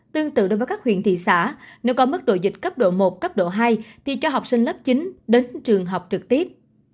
tương tự đối với các huyện thị xã nếu có mức độ dịch cấp độ một cấp độ hai thì cho học sinh lớp chín đến trường học trực tiếp